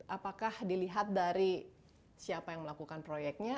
apakah dilihat dari siapa yang melakukan proyeknya